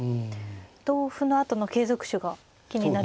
同歩のあとの継続手が気になりますね。